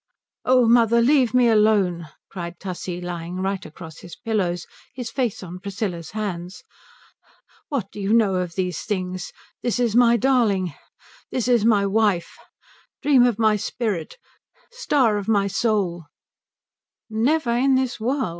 "Oh mother, leave me alone," cried Tussie, lying right across his pillows, his face on Priscilla's hands. "What do you know of these things? This is my darling this is my wife dream of my spirit star of my soul " "Never in this world!"